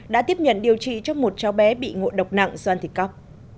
đã tiếp nhận điều trị cho một cháu bé bị ngộ độc nặng do ăn thịt cóc